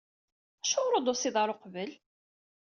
Acuɣer ur d-tusiḍ ara uqbel?